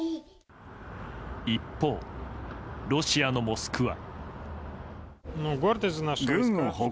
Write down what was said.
一方、ロシアのモスクワ。